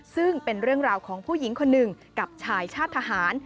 ซึ่งเป็นเรื่องราวของผู้หญิงคนหนึ่งกับชายชาติทหาร